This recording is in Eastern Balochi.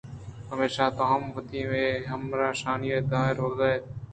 پمیشا تو ہم وتی ہمے ہمرِیشّانی دَئین ءَ رَوَگ ءَ اِت گوں